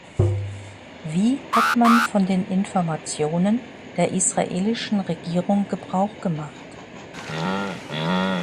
Wie hat man von den Informationen der israelischen Regierung Gebrauch gemacht?